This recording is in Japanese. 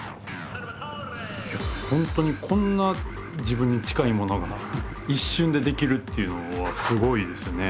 ほんとにこんな自分に近いものが一瞬でできるっていうのはすごいですよね。